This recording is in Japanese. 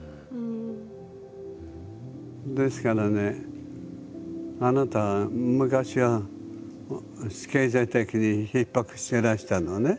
ですからねあなた昔は経済的にひっ迫してらしたのね。